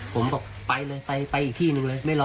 ผมบอกไปเลยไปอีกที่หนึ่งเลยไม่รอ